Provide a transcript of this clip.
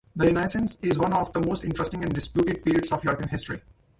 The Renaissance is one of the most interesting and disputed periods of European history.